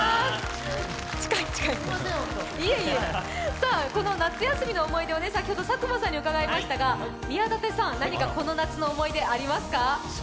続くこの夏休みの思い出を先ほど佐久間さんに伺いましたが、宮舘さん、何かこの夏の思い出ありますか？